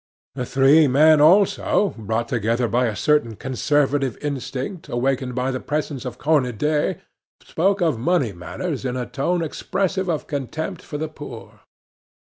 The three men, also, brought together by a certain conservative instinct awakened by the presence of Cornudet, spoke of money matters in a tone expressive of contempt for the poor.